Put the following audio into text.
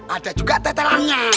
ada juga bakso telangnya